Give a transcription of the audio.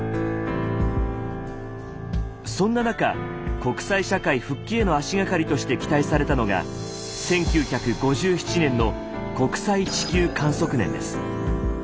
そんな中国際社会復帰への足がかりとして期待されたのが１９５７年の国際地球観測年です。